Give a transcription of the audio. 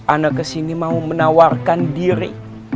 anak kesini mau menawarkan diri